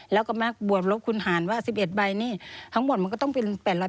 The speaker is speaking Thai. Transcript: แล้วก็มาบวกลบคุณหารว่า๑๑ใบนี่ทั้งหมดมันก็ต้องเป็น๘๐๐